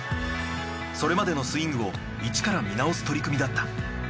それまでのスイングを一から見直す取り組みだった。